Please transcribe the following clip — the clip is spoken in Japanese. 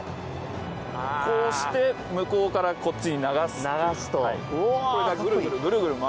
こうして向こうからこっちに流す。